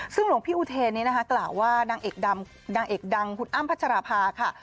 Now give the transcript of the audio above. ซึ่งหลวงพี่อุเทนนี้นะคะกล่าวว่านางเอกดังคุณอ้ำพัชราภาค่ะ